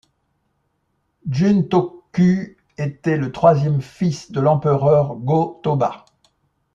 Juntoku était le troisième fils de l'empereur Go-Toba.